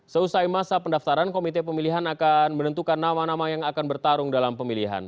seusai masa pendaftaran komite pemilihan akan menentukan nama nama yang akan bertarung dalam pemilihan